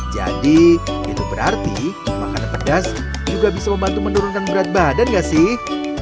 jadi itu berarti makanan pedas juga bisa membantu menurunkan berat badan nggak sih